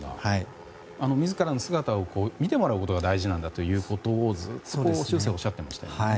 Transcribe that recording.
自らの姿を見てもらうことが大事なんだということを終生、おっしゃってましたよね。